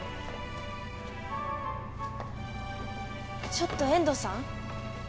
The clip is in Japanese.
ちょっと遠藤さん？